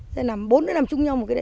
rồi bốn đứa nằm chung nhau một cái đệm